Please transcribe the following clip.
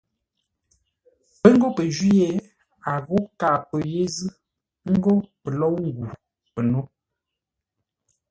Pə́ ghó pə́ jwî yé, a ghó kâa pə́ yé zʉ́, ə́ ngó pə lôu ngu pə́ nó.